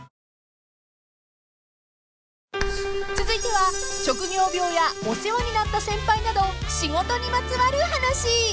［続いては職業病やお世話になった先輩など仕事にまつわる話］